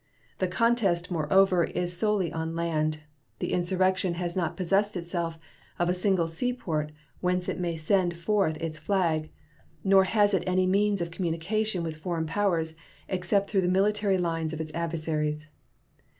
The contest, moreover, is solely on land; the insurrection has not possessed itself of a single seaport whence it may send forth its flag, nor has it any means of communication with foreign powers except through the military lines of its adversaries.